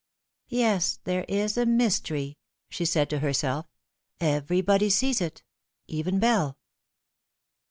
" Yes, there is a mystery," she said to herself ;" everybody Bees it, even Bell."